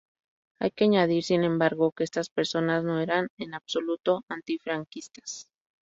Hay que añadir sin embargo, que estas personas no eran en absoluto antifranquistas.